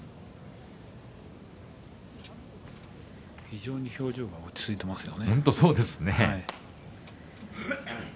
非常に表情が落ち着いていますよね。